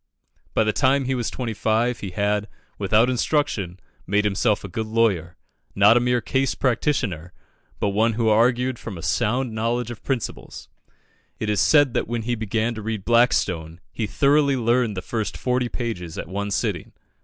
By the time he was twenty five, he had, without instruction, made himself a good lawyer not a mere "case practitioner," but one who argued from a sound knowledge of principles. It is said that when he began to read Blackstone, he thoroughly learned the first forty pages at one sitting.